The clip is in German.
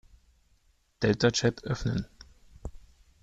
Deltachat öffnen.